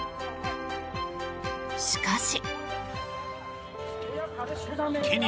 しかし。